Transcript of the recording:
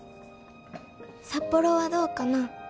「札幌はどうかな？」